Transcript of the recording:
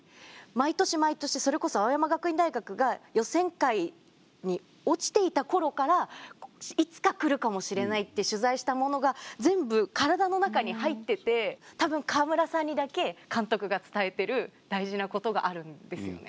毎年毎年それこそ青山学院大学が予選会に落ちていたころからいつか来るかもしれないと取材したものが全部体の中に入っててたぶん河村さんにだけ監督が伝えてる大事なことがあるんですよね。